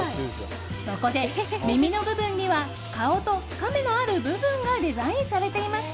そこで耳の部分には、顔とカメのある部分がデザインされています。